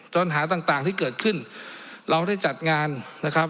ปัญหาต่างที่เกิดขึ้นเราได้จัดงานนะครับ